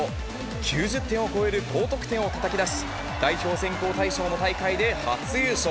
９０点を超える高得点をたたき出し、代表選考対象の大会で初優勝。